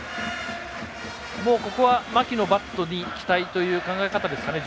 ここは牧のバットに期待という考え方ですかね